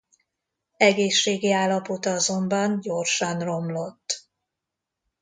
Egészségi állapota azonban gyorsan romlott.